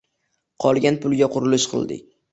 Qolgan pulga qurilish qildik